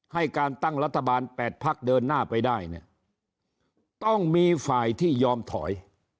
ให้การตั้งรัฐบาล๘พักเดินหน้าไปได้เนี่ยต้องมีฝ่ายที่ยอมถอย